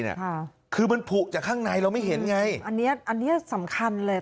ค่ะคือมันผูกจากข้างในเราไม่เห็นไงอันเนี้ยอันเนี้ยสำคัญเลย